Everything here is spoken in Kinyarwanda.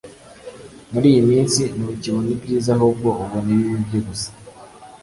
muri iyi minsi, ntukibona ibyiza ahubwo ubona ibibi bye gusa.